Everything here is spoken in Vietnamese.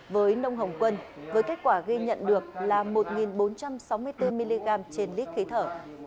với nông hồng quân với kết quả ghi nhận được là một bốn trăm sáu mươi bốn mg trên lít khí thở